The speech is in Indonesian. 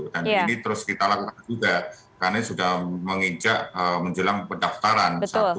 dan ini terus kita lakukan juga karena sudah menginjak menjelang pendaftaran